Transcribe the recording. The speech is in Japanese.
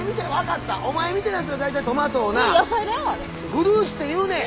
フルーツって言うねん！